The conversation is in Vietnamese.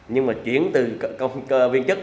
nhưng mà chuyển từ công chức